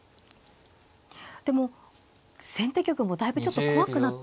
でも先手玉もだいぶちょっと怖くなってきましたね。